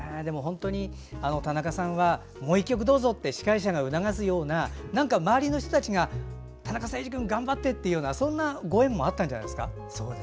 田中さんはもう１曲どうぞって司会者が促すような周りの人たちが田中星児君、頑張ってというご縁もあったんじゃないですか。